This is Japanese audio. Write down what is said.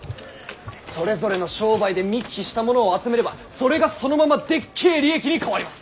それぞれの商売で見聞きしたものを集めればそれがそのままでっけえ利益に変わります。